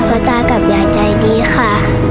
เพราะตากับยายใจดีค่ะ